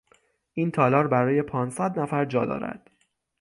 این تالار برای پانصد نفر جا دارد.